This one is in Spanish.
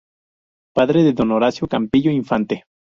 Padre de don Horacio Campillo Infante.